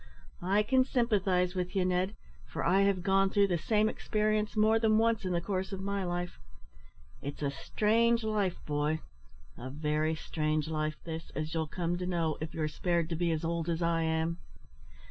"I can sympathise with you, Ned, for I have gone through the same experience more than once in the course of my life. It's a strange life, boy, a very strange life this, as you'll come to know, if you're spared to be as old as I am."